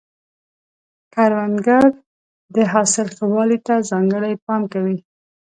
کروندګر د حاصل ښه والي ته ځانګړی پام کوي